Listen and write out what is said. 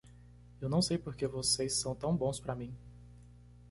Eu não sei porque vocês são tão bons para mim.